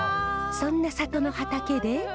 そんな里の畑で。